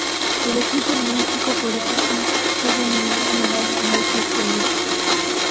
El equipo olímpico coreano no obtuvo ninguna medalla en estos Juegos.